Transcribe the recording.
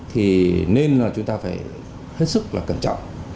thì nên là chúng ta phải hết sức là cẩn trọng